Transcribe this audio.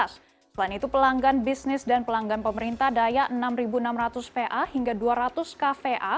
selain itu pelanggan bisnis dan pelanggan pemerintah daya rp enam enam ratus hingga rp dua ratus